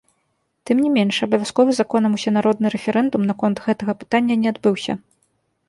Тым не менш, абавязковы законам усенародны рэферэндум наконт гэтага пытання не адбыўся.